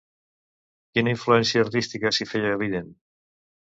Quina influència artística s'hi feia evident?